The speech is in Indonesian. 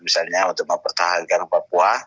misalnya untuk mempertahankan papua